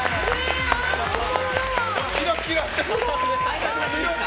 キラキラしてる。